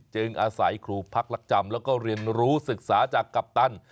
อาศัยครูพักรักจำแล้วก็เรียนรู้ศึกษาจากกัปตัน